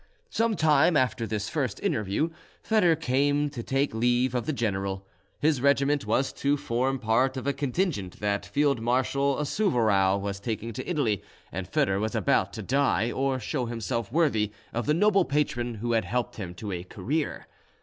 Some time after this first interview, Foedor came to take leave of the general. His regiment was to form part of a contingent that Field Marshal Souvarow was taking to Italy, and Foedor was about to die, or show himself worthy of the noble patron who had helped him to a career.